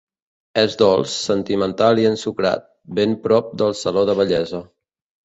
És dolç, sentimental i ensucrat; ben prop del saló de bellesa.